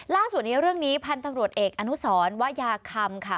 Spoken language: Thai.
ล่าสุดนี้เรื่องนี้พันธุ์ตำรวจเอกอนุสรวยาคำค่ะ